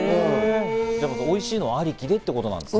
おいしいのありきでってことなんですね。